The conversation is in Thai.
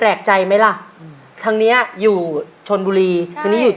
เอาเลย